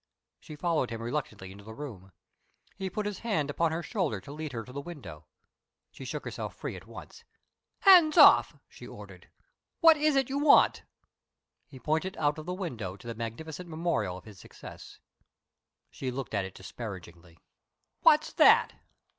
She followed him reluctantly into the room. He put his hand upon her shoulder to lead her to the window. She shook herself free at once. "Hands off!" she ordered. "What is it you want?" He pointed out of the window to the magnificent memorial of his success. She looked at it disparagingly. "What's that?